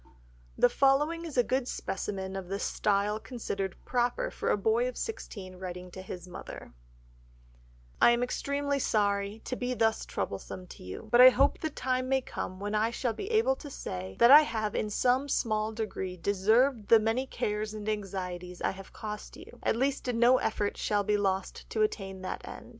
The following is a good specimen of the style considered proper for a boy of sixteen, writing to his mother— "I am extremely sorry to be thus troublesome to you, but I hope the time may come when I shall be able to say that I have in some small degree deserved the many cares and anxieties I have cost you, at least no effort shall be lost to attain that end.